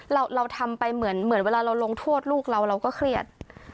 เราเราทำไปเหมือนเหมือนเวลาเราลงทวดลูกเราเราก็เครียด